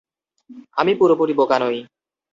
আমি পুরোপুরি বোকা নই।